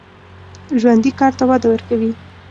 ژوندي کار ته وده ورکوي